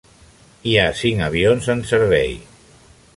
Hi ha cinc avions en servei.